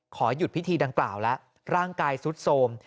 ขอหยุดพิธีดังกล่าวแล้วร่างกายสุดโสม